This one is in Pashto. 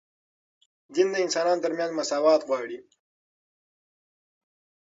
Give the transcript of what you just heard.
دین د انسانانو ترمنځ مساوات غواړي